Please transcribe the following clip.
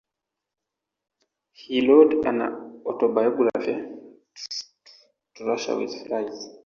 He wrote an auto-biography, "To Russia with Fries".